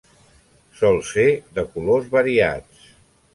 Sol ser de colors variats.